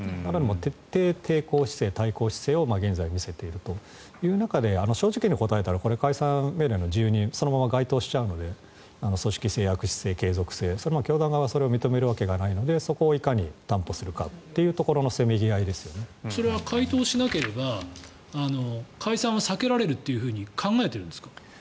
徹底抵抗姿勢、対抗姿勢を現在見せているという中で正直に答えたら解散命令の事由にそのまま該当しちゃうので組織継続性教団側はそれを認めるわけがないのでそこをいかに担保するかという回答しなければ解散は避けられるって考えているんですか？